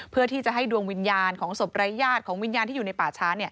เพื่อที่จะให้ดวงวิญญาณของศพไร้ญาติของวิญญาณที่อยู่ในป่าช้า